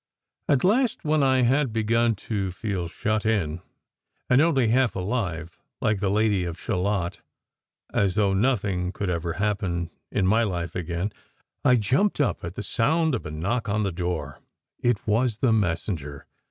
At last, when I had begun to feel shut in, and only half alive, like the Lady of Shalott, as though nothing could ever happen in my life again, I jumped up at the sound of a knock on the door. It was the messenger.